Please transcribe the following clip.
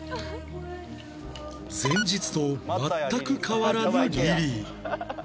前日と全く変わらぬリリー